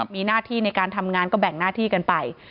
มีหน้าที่ในการทำงานก็แบ่งหน้าที่กันไป